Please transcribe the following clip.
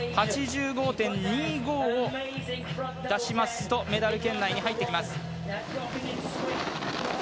８５．２５を出しますとメダル圏内に入ってきます。